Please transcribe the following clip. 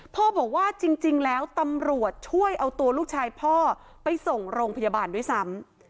พ่อบอกว่าจริงแล้วตำรวจช่วยเอาตัวลูกชายพ่อไปส่งโรงพยาบาลด้วยซ้ำ